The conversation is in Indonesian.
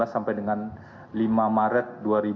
sampai dengan lima maret dua ribu delapan belas